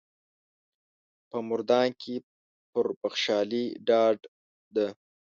په مردان کې پر بخشالي ډاډه ده.